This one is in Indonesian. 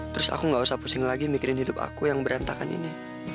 terus aku gak usah pusing lagi mikirin hidup aku yang berantakan ini